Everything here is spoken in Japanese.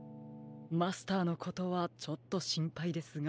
マスターのことはちょっとしんぱいですが。